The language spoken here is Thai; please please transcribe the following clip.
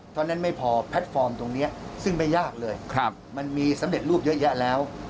เท่านั้นไม่พอแพลตฟอร์มตรงนี้ซึ่งไม่ยากเลยมันมีสำเร็จรูปเยอะแยะแล้ว